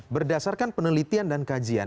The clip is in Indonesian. berdasarkan penelitian dan kajian